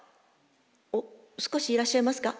おっ少しいらっしゃいますか？